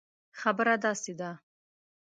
خبره داسي ده